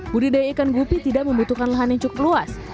budidaya ikan gupi tidak membutuhkan lahan yang cukup luas